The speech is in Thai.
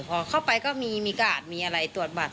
พอเข้าไปก็มีกาดมีอะไรตรวจบัตร